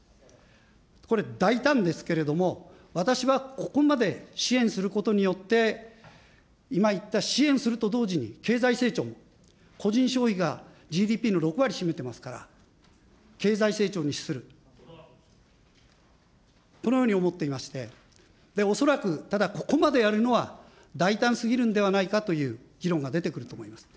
これ、大胆ですけれども、私はここまで支援することによって、今言った支援すると同時に、経済成長、個人消費がＧＤＰの６割占めてますから、経済成長に資する、このように思っていまして、恐らく、ただここまでやるのは大胆すぎるんではないかという議論が出てくると思います。